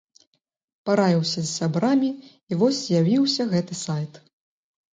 Параіўся з сябрамі і вось з'явіўся гэты сайт.